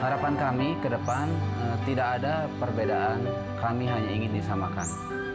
harapan kami ke depan tidak ada perbedaan kami hanya ingin disamakan